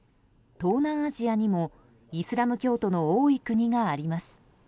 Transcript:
東南アジアにも、イスラム教徒の多い国があります。